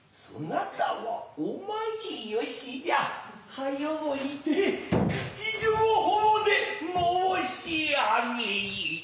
早ういて口調法で申し上げい。